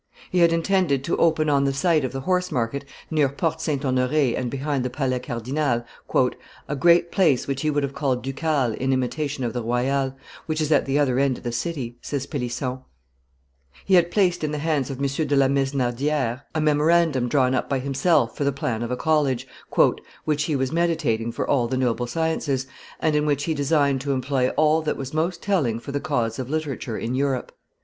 He had intended to open on the site of the horse market, near Porte St. Honore and behind the Palais Cardinal, "a great Place which he would have called Ducale in imitation of the Royale, which is at the other end of the city," says Pellisson; he had placed in the hands of M. de la Mesnardiere, a memorandum drawn up by himself for the plan of a college "which he was meditating for all the noble sciences, and in which he designed to employ all that was most telling for the cause of literature in Europe.